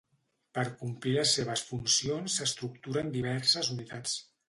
Per complir les seves funcions s'estructura en diverses unitats.